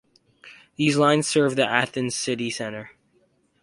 These lines serve the Athens city centre.